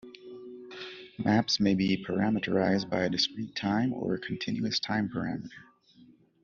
Maps may be parameterized by a discrete-time or a continuous-time parameter.